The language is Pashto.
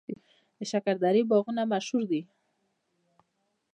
د شکردرې باغونه مشهور دي